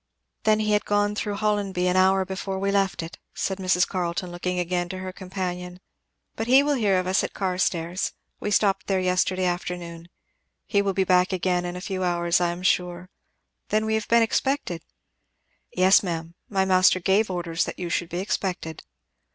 "Then he had gone through Hollonby an hour before we left it," said Mrs. Carleton looking again to her companion; "but he will hear of us at Carstairs we stopped there yesterday afternoon he will be back again in a few hours I am sure. Then we have been expected?" "Yes ma'am my master gave orders that you should be expected."